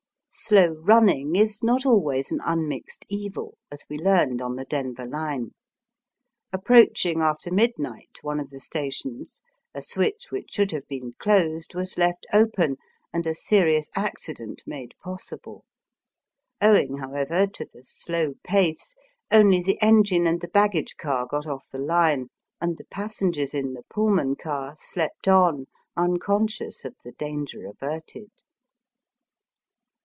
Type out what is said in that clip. Slow running is not always an unmixed evil, as we learned on the Denver line. Ap proaching, after midnight, one of the stations, a switch which should have been closed was left open, and a serious accident made possible. Owing, however, to the slow pace, only the engine and the baggage car got off the line, and the passengers in the Pullman car slept on unconscious of the danger averted.